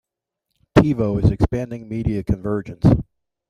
TiVo is expanding media convergence.